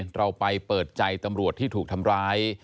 เราไปเปิดใจตำรวจที่ถูกทำร้าย